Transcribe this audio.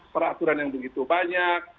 peraturan yang begitu banyak